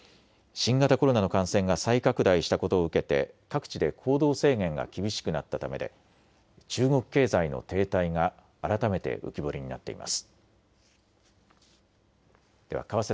新型コロナの感染が再拡大したことを受けて各地で行動制限が厳しくなったためで中国経済の停滞が改めて浮き彫りになっています。